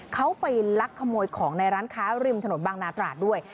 เขาไปลักขโมยของในร้านค้าริมถนนบางนาตราดด้วย